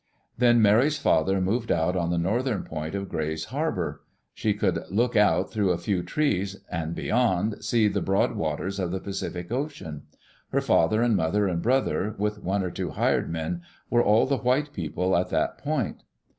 Then Mary's father moved out on the northern point of Gray's Harbor. She could look out through a few trees, and beyond see the broad waters of the Pacific Ocean. Her father and mother and brother, with one or two hired men, were all the white people at that point.